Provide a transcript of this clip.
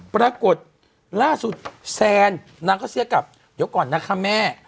ปรากฏล่าสุดแซนนางก็เสี้ยกลับเดี๋ยวก่อนนะคะแม่